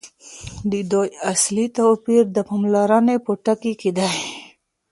د دوی اصلي توپیر د پاملرني په ټکي کي دی.